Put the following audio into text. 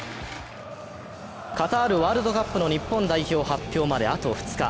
カタールワールドカップの日本代表発表まで、あと２日。